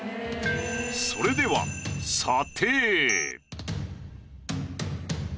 それでは査定。